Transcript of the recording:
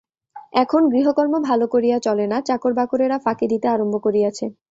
এখন গৃহকর্ম ভালো করিয়া চলে না–চাকরবাকরেরা ফাঁকি দিতে আরম্ভ করিয়াছে।